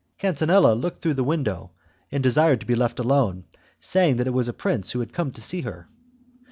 Catinella looked through the window, and desired to be left alone, saying that it was a prince who had come to see her.